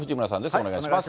お願いします。